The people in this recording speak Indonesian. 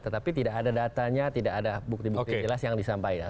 tetapi tidak ada datanya tidak ada bukti bukti jelas yang disampaikan